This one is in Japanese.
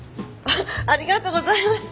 ありがとうございます。